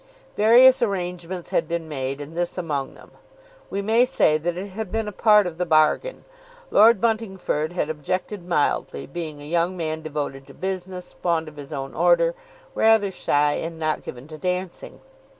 Various arrangements had been made, and this among them. We may say that it had been part of a bargain. Lord Buntingford had objected mildly, being a young man devoted to business, fond of his own order, rather shy, and not given to dancing.